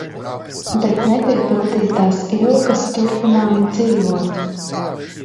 Bet nepiepildītās ilgas turpināja dzīvot.